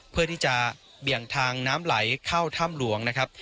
เพื่อที่จะเบี่ยงทางน้ำไหลเข้าถ้ำหลวงนะครับ